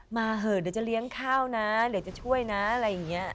เหอะเดี๋ยวจะเลี้ยงข้าวนะเดี๋ยวจะช่วยนะอะไรอย่างนี้